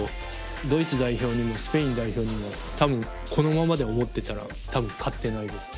ドイツ代表にもスペイン代表にもこのままで思ってたら多分勝ってないです。